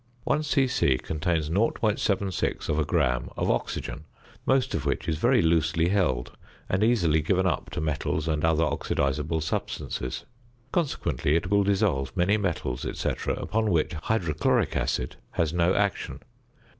One c.c. contains 0.76 gram of oxygen, most of which is very loosely held, and easily given up to metals and other oxidisable substances. Consequently it will dissolve many metals, &c., upon which hydrochloric acid has no action.